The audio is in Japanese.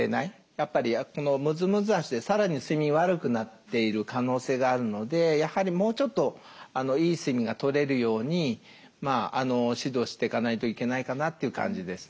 やっぱりこの「むずむず脚」でさらに睡眠悪くなっている可能性があるのでやはりもうちょっといい睡眠がとれるように指導していかないといけないかなという感じですね。